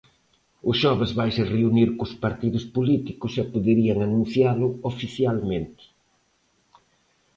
O xoves vaise reunir cos partidos políticos e poderían anuncialo oficialmente.